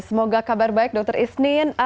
semoga kabar baik dr isnin